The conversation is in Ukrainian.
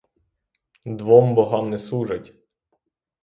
Двом богам не служать!